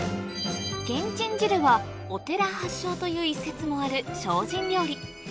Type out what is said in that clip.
けんちん汁はお寺発祥という一説もある精進料理